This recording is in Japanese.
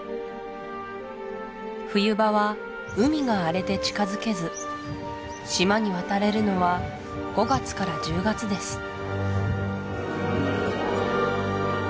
冬場は海が荒れて近づけず島に渡れるのは５月から１０月です